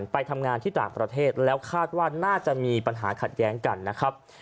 ไปทำงานที่ต่างประเทศแล้วคาดว่าน่าจะมีปัญหาขัดแย้งกันนะครับ